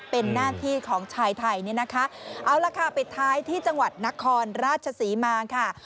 เป็นหน้าที่ของชายไทยเนี่ยนะคะเอาล่ะค่ะปิดท้ายที่จังหวัดนครราชศรีมาค่ะ